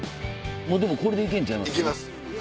これで行けんちゃいます？